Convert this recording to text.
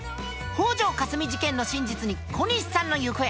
北條かすみ事件の真実に小西さんの行方。